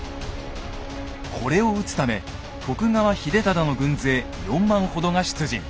これを討つため徳川秀忠の軍勢４万ほどが出陣。